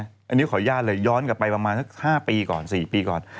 อันนี้ขออนุญาตเลยย้อนกลับไปประมาณสัก๕ปีก่อน๔ปีก่อน